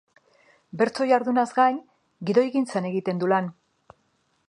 Bertso jardunaz gain, gidoigintzan egiten du lan.